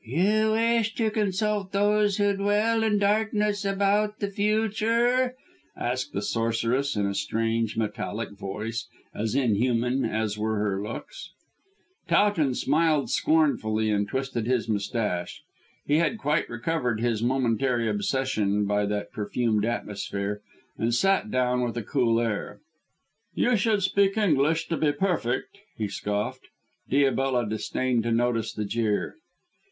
"You wish to consult those who dwell in darkness about the future?" asked the sorceress in a strange, metallic voice, as unhuman as were her looks. Towton smiled scornfully and twisted his moustache. He had quite recovered his momentary obsession by that perfumed atmosphere, and sat down with a cool air. "You should speak Egyptian to be perfect," he scoffed. Diabella disdained to notice the jeer.